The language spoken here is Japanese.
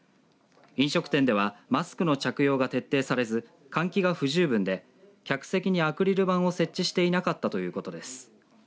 飲食店ではマスクの着用が徹底されず換気が不十分で客席にアクリル板を設置していなかったということです。